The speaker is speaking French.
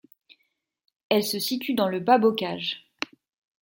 Elle se situe dans le Bas Bocage.